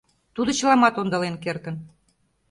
Тудо чыламат ондален кертын.